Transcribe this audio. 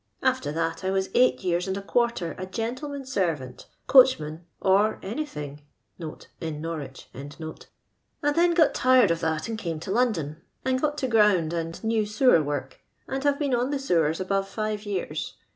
After that I was eight years and a quarter a gentleman's senmnt, coaoh man. or anjlhing (in Norwich), and then g«it tired of that and came to Loudon, and got to ground and new sewer work, and have been on the sewers above five years.